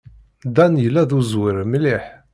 Dan yella d uẓwir mliḥ.